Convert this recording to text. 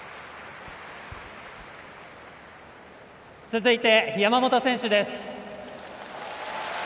続いて山本選手です。